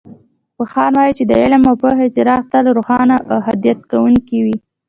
پوهان وایي چې د علم او پوهې څراغ تل روښانه او هدایت کوونکې وي